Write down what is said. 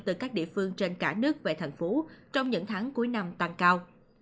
từ các địa phương trên cả nước về thành phố trong những tháng cuối năm tăng cao